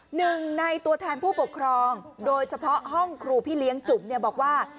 หนึ่งในตัวแทนผู้ปกครองโดยเฉพาะห้องครูพี่เลี้ยงจุ๋มเนี่ยบอกว่า